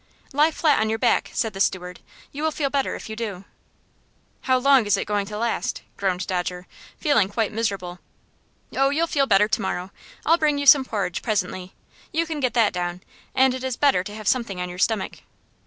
"Lie flat on your back," said the steward. "You will feel better if you do." "How long is it going to last?" groaned Dodger, feeling quite miserable. "Oh, you'll feel better to morrow. I'll bring you some porridge presently. You can get that down, and it is better to have something on your stomach."